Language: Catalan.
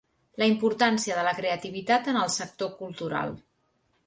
La importància de la creativitat en el sector cultural.